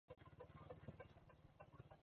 kweli inachanganya na inasisimua kidogo